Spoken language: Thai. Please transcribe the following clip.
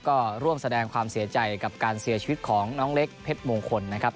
ก็ร่วมแสดงความเสียใจกับการเสียชีวิตของน้องเล็กเพชรมงคลนะครับ